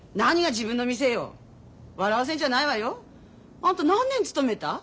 あんた何年勤めた？